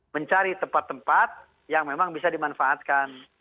mencari tempat tempat yang memang bisa dimanfaatkan